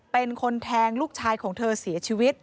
เป็นคนแทงลูกชายของเธอเสียชีวิต